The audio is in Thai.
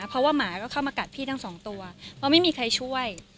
เพราะว่าหมาก็เข้ามากัดพี่ทั้งสองตัวเพราะไม่มีใครช่วย